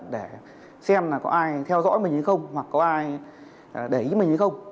để xem là có ai theo dõi mình hay không hoặc có ai để ý mình hay không